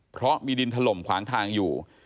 เพราะมีดินถล่มขวางทางอยู่